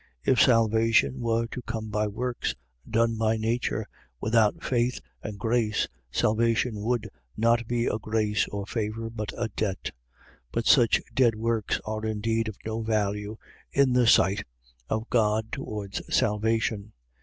.If salvation were to come by works, done by nature, without faith and grace, salvation would not be a grace or favour, but a debt; but such dead works are indeed of no value in the sight of God towards salvation.